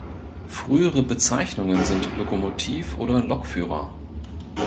Frühere Bezeichnungen sind Lokomotiv- oder Lokführer.